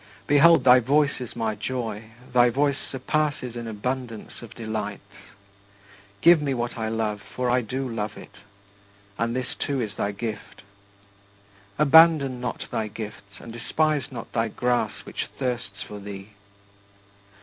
Behold, thy voice is my joy; thy voice surpasses in abundance of delights. Give me what I love, for I do love it. And this too is thy gift. Abandon not thy gifts and despise not thy "grass" which thirsts for thee.